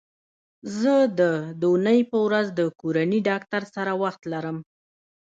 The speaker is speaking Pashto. زه د دونۍ په ورځ د کورني ډاکټر سره وخت لرم